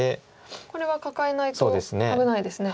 これはカカえないと危ないですね。